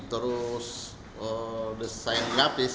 terus desain grafis